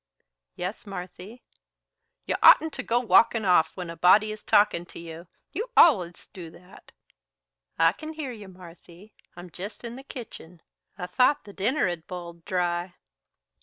"Yes, Marthy." "You oughtn't to go walkin' off when a body is talkin' to you. You allus do that." "I c'n hear you, Marthy. I'm jest in the kitchen. I thought the dinner had b'iled dry."